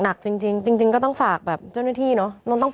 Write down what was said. หนักจริงจริงก็ต้องฝากแบบเจ้าหน้าที่เนอะ